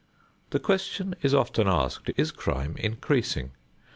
The question is often asked, Is crime increasing?